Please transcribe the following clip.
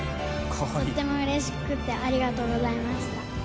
とってもうれしくてありがとうございました。